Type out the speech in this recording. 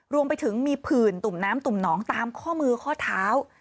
รวมไปถึงมีผื่นตุ่มน้ำตุ่มหนองตามข้อมือข้อเท้า